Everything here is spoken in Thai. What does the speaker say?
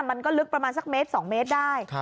มันก็ลึกประมาณสักเมตร๒เมตรได้